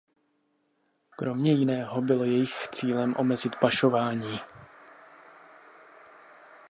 Kromě jiného bylo jejich cílem omezit pašování.